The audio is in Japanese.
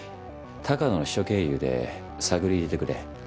鷹野の秘書経由で探り入れてくれ。